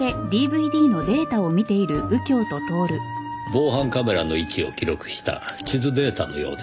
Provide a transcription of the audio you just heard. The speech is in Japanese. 防犯カメラの位置を記録した地図データのようですねぇ。